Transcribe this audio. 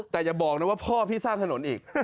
แต่อย่าบอกนะว่าพ่อพี่สร้างถนนอีก